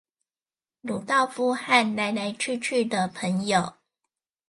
魯道夫和來來去去的朋友